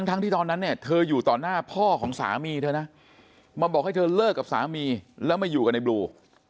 ทั้งที่ตอนนั้นเนี่ยเธออยู่ต่อหน้าพ่อของสามีเธอนะมาบอกให้เธอเลิกกับสามีแล้วมาอยู่กับในบลู